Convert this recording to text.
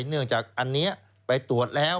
เนื่องจากอันนี้ไปตรวจแล้ว